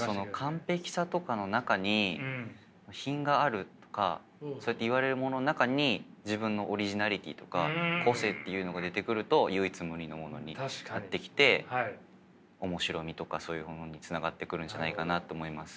完璧さとかの中に品があるとかそうやって言われるものの中に自分のオリジナリティーとか個性っていうのが出てくると唯一無二のものが出来て面白みとかそういうものにつながってくるんじゃないかなと思います。